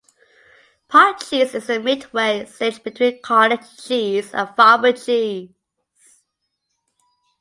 Pot cheese is in the midway stage between cottage cheese and farmer cheese.